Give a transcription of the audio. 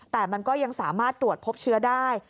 แต่มันก็ยังสามารถตรวจพบเชื้อได้